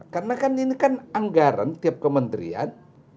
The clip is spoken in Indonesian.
karena kan ini kan anggaran tiap kementerian